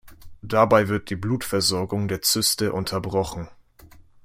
Dabei wird die Blutversorgung der Zyste unterbrochen.